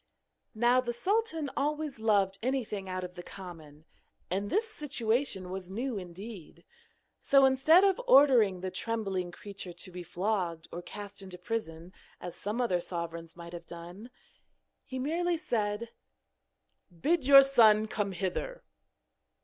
Now the sultan always loved anything out of the common, and this situation was new indeed. So, instead of ordering the trembling creature to be flogged or cast into prison, as some other sovereigns might have done, he merely said: 'Bid your son come hither.'